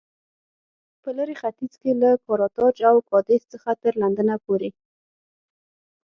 په لېرې ختیځ کې له کارتاج او کادېس څخه تر لندنه پورې و